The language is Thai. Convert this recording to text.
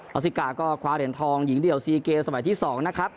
ซิกาก็คว้าเหรียญทองหญิงเดี่ยว๔เกมสมัยที่๒นะครับ